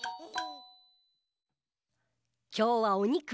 きょうはおにく？